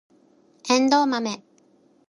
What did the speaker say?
エンドウマメ